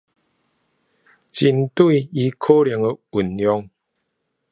也將針對其可能應用